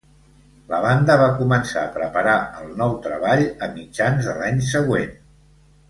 La banda va començar a preparar el nou treball a mitjans de l'any següent.